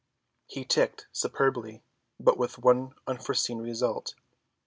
He ticked superbly, but with one unforeseen result.